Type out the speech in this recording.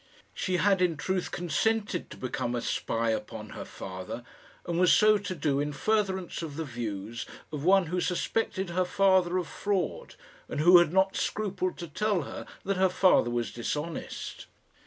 She had, in truth, consented to become a spy upon her father, and was so to do in furtherance of the views of one who suspected her father of fraud, and who had not scrupled to tell her that her father was dishonest.